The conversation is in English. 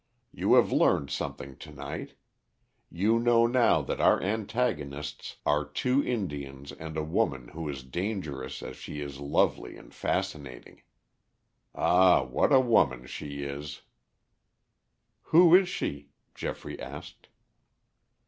You have learned something to night. You know now that our antagonists are two Indians and a woman who is dangerous as she is lovely and fascinating. Ah, what a woman she is!" "Who is she?" Geoffrey asked.